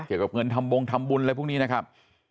เกี่ยวกับเงินทำบงทำบุญอะไรพวกนี้นะครับ